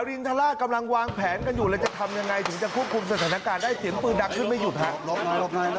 รินทราชกำลังวางแผนกันอยู่เลยจะทำยังไงถึงจะควบคุมสถานการณ์ได้เสียงปืนดังขึ้นไม่หยุดฮะ